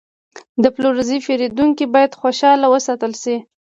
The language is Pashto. د پلورنځي پیرودونکي باید خوشحاله وساتل شي.